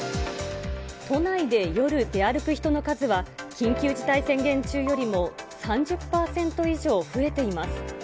都内で、夜出歩く人の数は緊急事態宣言中よりも３０％以上増えています。